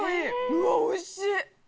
うわおいしい！